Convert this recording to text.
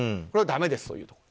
これはだめですと。